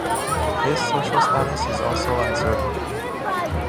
His social status is also uncertain.